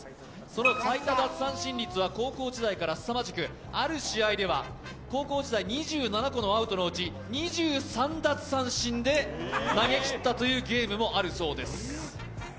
その最多奪三振率は高校時代からすさまじく、ある試合では校時代２７個のアウトのうち、２３奪三振で投げきったというゲームもあるそうです。